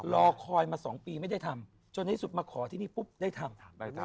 รอคอยมา๒ปีไม่ได้ทำจนที่สุดมาขอที่นี่ปุ๊บได้ทำ